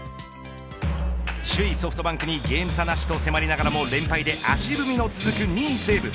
首位ソフトバンクにゲーム差なしと迫りながらも連敗で足踏みの続く２位、西武